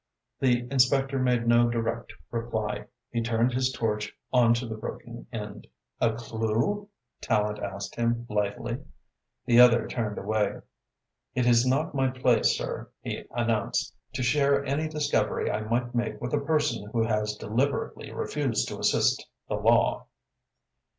The inspector made no direct reply. He turned his torch on to the broken end. "A clue?" Tallente asked him lightly. The other turned away. "It is not my place, sir," he announced, "to share any discovery I might make with a person who has deliberately refused to assist the law."